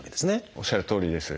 おっしゃるとおりです。